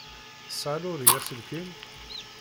Tesɛa Laurie aselkim?